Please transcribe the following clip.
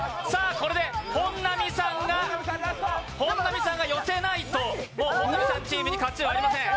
これで本並さんが寄せないともう本並さんチームに勝ちはありません。